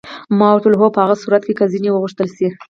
ما ورته وویل: هو، په هغه صورت کې که ځینې وغوښتل شي.